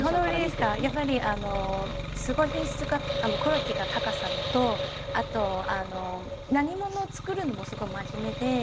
やっぱりすごい品質がクオリティーの高さとあと何を作るにもすごい真面目で。